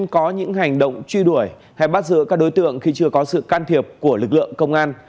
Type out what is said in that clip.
có những hành động truy đuổi hay bắt giữ các đối tượng khi chưa có sự can thiệp của lực lượng công an